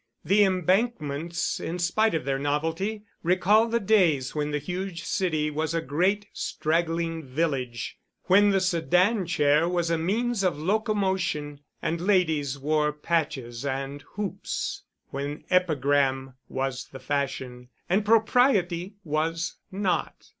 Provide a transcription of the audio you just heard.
The embankments, in spite of their novelty, recall the days when the huge city was a great, straggling village, when the sedan chair was a means of locomotion, and ladies wore patches and hoops; when epigram was the fashion and propriety was not.